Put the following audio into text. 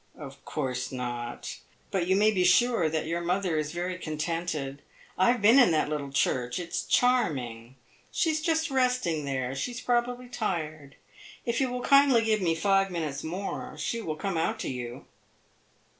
"Of course not; but you may be sure that your mother is very contented. I have been in that little church. It is charming. She is just resting there; she is probably tired. If you will kindly give me five minutes more, she will come out to you."